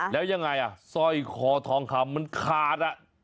แล้วยังไงสร้อยคอทองคำมันขาด